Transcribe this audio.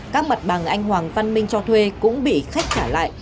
các mặt bằng anh hoàng văn minh cho thuê cũng bị khách trả lại